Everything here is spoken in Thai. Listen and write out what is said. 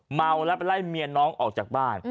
เมาแล้วไปไล่เมียน้องออกจากบ้าน